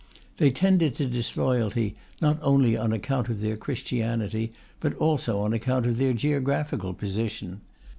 They tended to disloyalty, not only on account of their Christianity, but also on account of their geographical position.